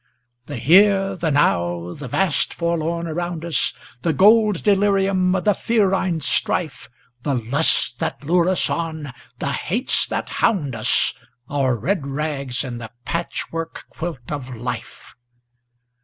The Here, the Now, the vast Forlorn around us; The gold delirium, the ferine strife; The lusts that lure us on, the hates that hound us; Our red rags in the patch work quilt of Life.